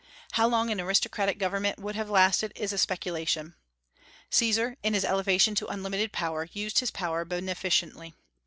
How long an aristocratic government would have lasted is a speculation. Caesar, in his elevation to unlimited power, used his power beneficently.